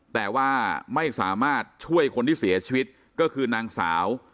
แต่ว่าไม่สามารถช่วยคนที่เสียชีวิตก็คือนางสาว